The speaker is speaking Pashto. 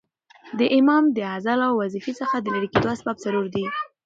د امام د عزل او د وظیفې څخه د ليري کېدو اسباب څلور دي.